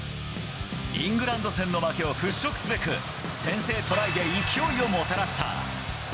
イングランド戦の負けを払拭すべく、先制トライで勢いをもたらした。